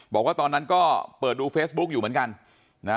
บอกว่าตอนนั้นก็เปิดดูเฟซบุ๊กอยู่เหมือนกันนะ